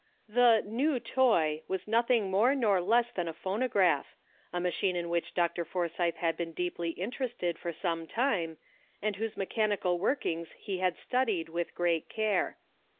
THE '* new toy " was nothing more nor less than a phonograph, a machine in which Dr. Forsythe had been deeply interested for sorr^e time, and whose mechanical workings he had studied with great care.